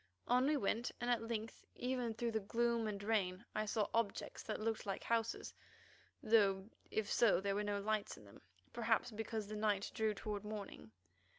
On we went, and at length even through the gloom and rain I saw objects that looked like houses, though if so there were no lights in them, perhaps because the night drew toward morning.